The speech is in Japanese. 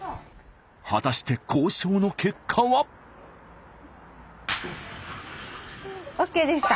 果たして交渉の結果は。ＯＫでした。